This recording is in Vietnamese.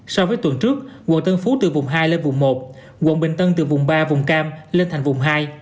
so với tuần trước quận tân phú từ vùng hai lên vùng một quận bình tân từ vùng ba vùng cam lên thành vùng hai